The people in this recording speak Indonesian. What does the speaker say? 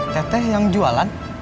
teteh yang jualan